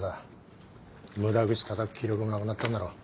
無駄口たたく気力もなくなったんだろ。